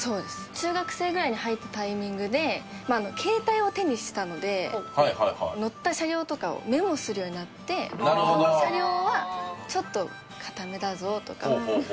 中学生ぐらいに入ったタイミングで携帯を手にしたので乗った車両とかをメモするようになってこの車両はちょっとかためだぞとか。